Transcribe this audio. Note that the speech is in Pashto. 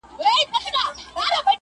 تر بار لاندي یې ورمات کړله هډونه٫